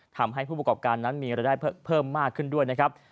ทำให้ผู้ประกอบการนั้นมีรายได้เพิ่มมากขึ้นด้วยนะครับ